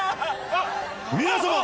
皆様！